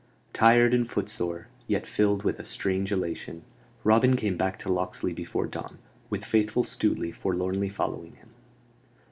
Tired and footsore, yet filled with a strange elation, Robin came back to Locksley before dawn, with faithful Stuteley forlornly following him.